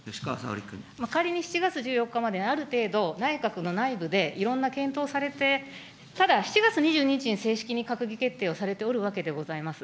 仮に７月１４日まで、ある程度、内閣の内部でいろんな検討されて、ただ、７月２２日に正式に閣議決定をされておるわけでございます。